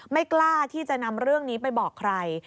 ไม่กล้าที่จะนำเรื่องนี้ไปบอกใคร